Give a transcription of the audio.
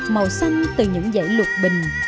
màu xanh từ những dãy lục bình